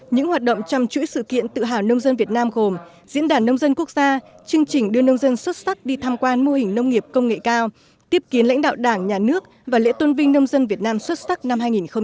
những hoạt động trong chuỗi sự kiện tự hào nông dân việt nam gồm diễn đàn nông dân quốc gia chương trình đưa nông dân xuất sắc đi tham quan mô hình nông nghiệp công nghệ cao tiếp kiến lãnh đạo đảng nhà nước và lễ tôn vinh nông dân việt nam xuất sắc năm hai nghìn một mươi chín